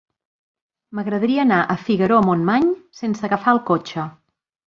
M'agradaria anar a Figaró-Montmany sense agafar el cotxe.